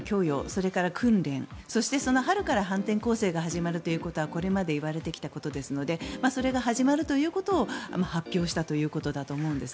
それから訓練そしてその春から反転攻勢が始まるということはこれまでいわれてきたことですのでそれが始まるということを発表したということだと思うんです。